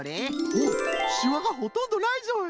おっしわがほとんどないぞい！